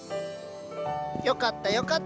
よかったよかった。